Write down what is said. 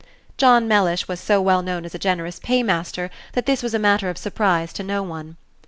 John Mellish was so well known as a generous paymaster, that this was a matter of surprise to no one.